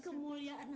terima kasih ibu